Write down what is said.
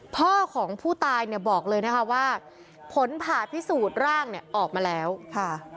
พ่อของผู้ตายเนี่ยบอกเลยนะคะว่าผลผ่าพิสูจน์ร่างเนี่ยออกมาแล้วค่ะ